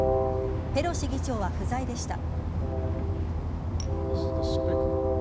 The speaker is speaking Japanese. ペロシ議長は不在でした。